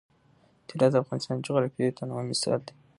طلا د افغانستان د جغرافیوي تنوع مثال دی.